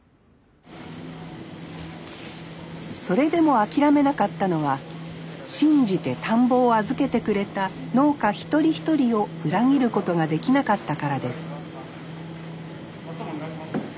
それでも諦めなかったのは信じて田んぼを預けてくれた農家一人一人を裏切ることができなかったからです